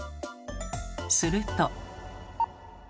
すると。